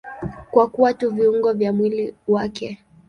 Kwa kuwa tu viungo vya mwili wake.